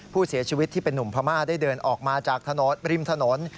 ผู้เสียชีวิตที่เป็นนุ่มพม่าได้เดินออกมาจากถนนริมถนน